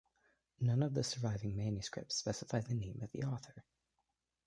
None of the surviving manuscripts specify the name of the author.